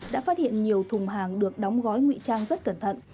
đã phát hiện nhiều thùng hàng được đóng gói nguy trang rất cẩn thận